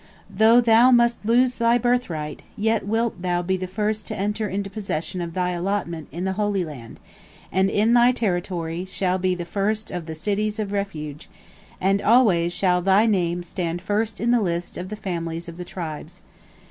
Though thou must lose thy birthright, yet wilt thou be the first to enter into possession of thy allotment in the Holy Land, and in thy territory shall be the first of the cities of refuge, and always shall thy name stand first in the list of the families of the tribes.